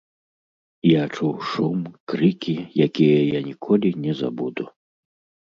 Я чуў шум, крыкі, якія я ніколі не забуду.